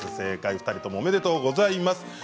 ２人ともおめでとうございます。